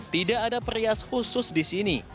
tidak ada perias khusus di sini